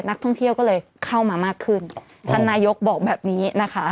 นักท่องเที่ยวก็เลยเข้ามามากขึ้นท่านนายกบอกแบบนี้นะคะ